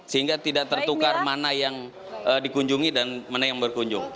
sehingga tidak tertukar mana yang dikunjungi dan mana yang berkunjung